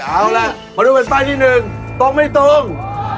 เอาล่ะมาดูแผ่นป้ายที่๑ตรงไม่ตรง